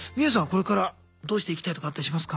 これからどうしていきたいとかあったりしますか？